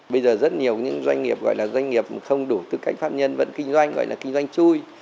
bây giờ rất nhiều những doanh nghiệp gọi là doanh nghiệp không đủ tư cách pháp nhân vẫn kinh doanh gọi là kinh doanh chui